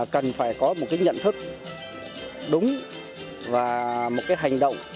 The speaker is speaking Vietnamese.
cần phải có một nhận thức đúng và một hành động